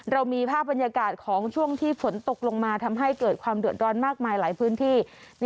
เรามีภาพบรรยากาศของช่วงที่ฝนตกลงมาทำให้เกิดความเดือดร้อนมากมายหลายพื้นที่